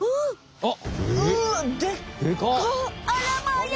あっ！